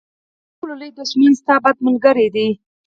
تر ټولو لوی دښمن ستا بد ملګری دی.